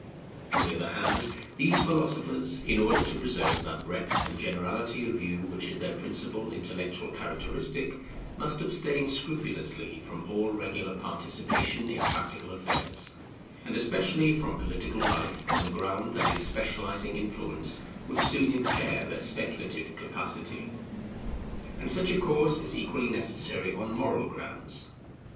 On the other hand these philosophers, in order to preserve that breadth and generality of view which is their principal intellectual characteristic, must abstain scrupulously from all regular participation in practical affairs, and especially from political life: on the ground that its specializing influence would soon impair their speculative capacity. And such a course is equally necessary on moral grounds.